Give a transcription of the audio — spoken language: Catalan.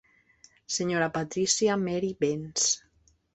Sra. Patricia Mary Bence.